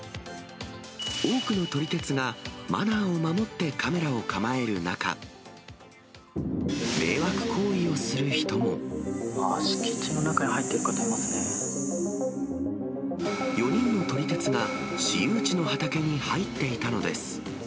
多くの撮り鉄がマナーを守ってカメラを構える中、迷惑行為をする敷地の中に入っている方がい４人の撮り鉄が、私有地の畑に入っていたのです。